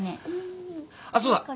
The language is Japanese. あっそうだ。